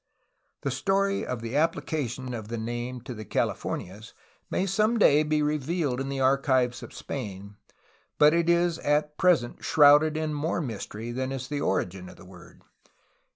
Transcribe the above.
The story of the application of the name to the Califor nias may some day be revealed in the archives of Spain, but it is at present shrouded in more mystery than is the origin of the word.